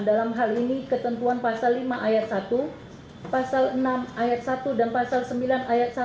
dalam hal ini ketentuan pasal lima ayat satu pasal enam ayat satu dan pasal sembilan ayat satu